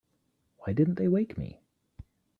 Why didn't they wake me?